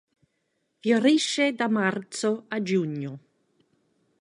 Fiorisce da marzo a giugno.